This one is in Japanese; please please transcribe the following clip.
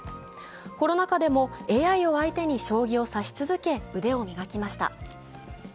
コロナ禍でもＡＩを相手に将棋を指し続け、腕を磨きました。